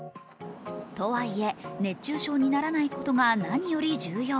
とはいえ熱中症にならないことが何より重要。